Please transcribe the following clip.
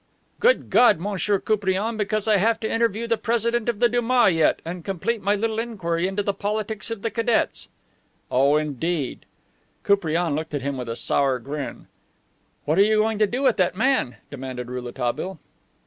"Good God, Monsieur Koupriane, because I have to interview the President of the Duma yet, and complete my little inquiry into the politics of the cadets." "Oh, indeed!" Koupriane looked at him with a sour grin. "What are you going to do with that man?" demanded Rouletabille.